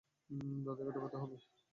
দাদাকে ঠকাতে হবে।